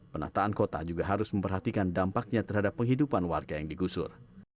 penataan kota juga harus memperhatikan dampaknya terhadap penghidupan warga yang digusur